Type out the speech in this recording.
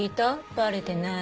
バレてない。